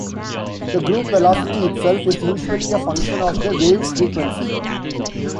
The group velocity itself is usually a function of the wave's frequency.